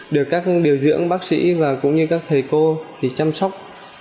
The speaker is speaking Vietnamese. được các điều dưỡng bác sĩ và cũng như các thầy cô chăm sóc